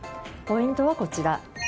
ポイントはこちら。